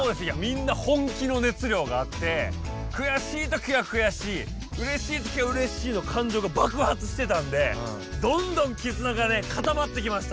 みんな本気のねつりょうがあってくやしいときはくやしいうれしいときはうれしいのかんじょうがばくはつしてたんでどんどんきずながかたまってきました。